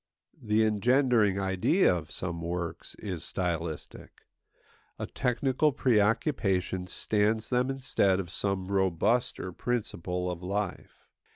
The engendering idea of some works is stylistic; a technical preoccupation stands them instead of some robuster principle of life.